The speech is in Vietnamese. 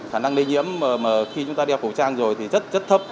khả năng lây nhiễm mà khi chúng ta đeo khẩu trang rồi thì chất thấp